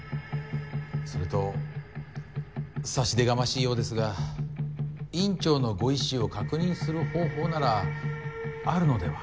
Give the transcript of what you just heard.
それと差し出がましいようですが院長のご遺志を確認する方法ならあるのでは？